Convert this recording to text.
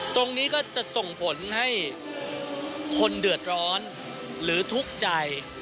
ตรงนี้ก็จะส่งผลให้คนเดือดร้อนหรือทุกข์ใจ